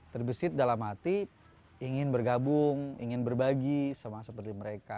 terbesit dalam hati ingin bergabung ingin berbagi sama seperti mereka